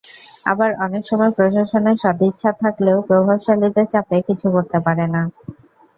আবার অনেক সময় প্রশাসনের সদিচ্ছা থাকলেও প্রভাবশালীদের চাপে কিছু করতে পারে না।